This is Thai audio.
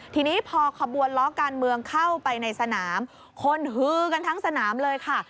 ทีนี้พอขบวนล้อการเมืองเข้าไปในสนามคนฮือกันทั้งสนามเลยค่ะ